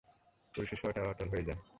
পরিশেষে এটা অচল হয়ে যায়।